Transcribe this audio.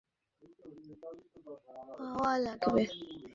আমার একটু বাইরের হাওয়া লাগবে।